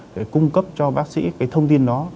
để cung cấp cho bác sĩ cái thông tin đó